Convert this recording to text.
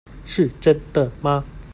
是真的嗎？